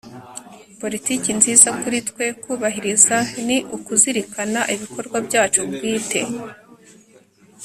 politiki nziza kuri twe kubahiriza ni ukuzirikana ibikorwa byacu bwite